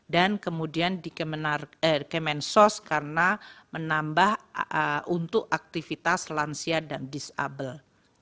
dan kemudian di kemensos karena menambah untuk aktivitas lansia dan disable